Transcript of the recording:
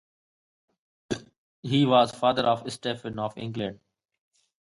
He was the father of Stephen of England.